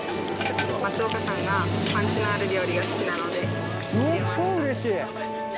松岡さんが、パンチのある料理が超うれしい。